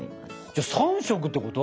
じゃあ３色ってこと？